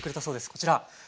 こちら。